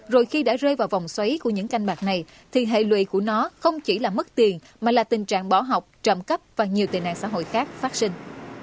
rồi khi đã rơi vào vòng xoáy của những canh bạc này thì hệ lụy của nó không chỉ là mất tiền mà là tình trạng bỏ học trộm cắp và nhiều tệ nạn xã hội khác phát sinh